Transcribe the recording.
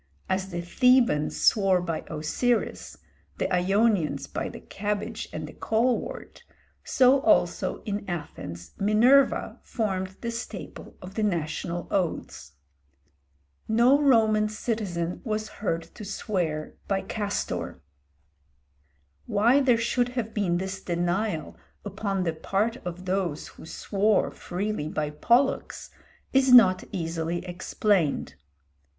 As the Thebans swore by Osiris, the Ionians by the cabbage and the colewort, so also in Athens Minerva formed the staple of the national oaths. No Roman citizen was heard to swear by Castor. Why there should have been this denial upon the part of those who swore freely by Pollux is not easily explained.